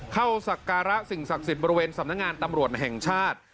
สักการะสิ่งศักดิ์สิทธิ์บริเวณสำนักงานตำรวจแห่งชาติ